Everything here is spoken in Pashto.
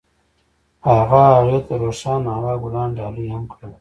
هغه هغې ته د روښانه هوا ګلان ډالۍ هم کړل.